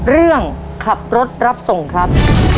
เรื่องขับรถรับส่งครับ